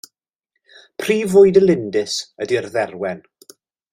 Prif fwyd y lindys ydy'r dderwen.